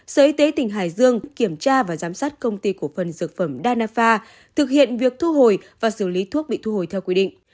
sở y tế tỉnh hải dương kiểm tra và giám sát công ty cổ phần dược phẩm danafa thực hiện việc thu hồi và xử lý thuốc bị thu hồi theo quy định